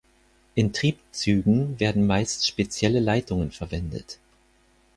In Triebzügen werden meist spezielle Leitungen verwendet.